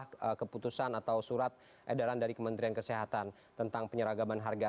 ada keputusan atau surat edaran dari kementerian kesehatan tentang penyeragaman harga